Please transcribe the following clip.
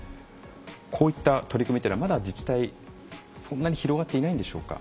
こういった取り組みというのはまだ自治体、そんな広がっていないんでしょうか？